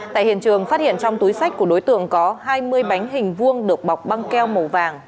tại hiện trường phát hiện trong túi sách của đối tượng có hai mươi bánh hình vuông được bọc băng keo màu vàng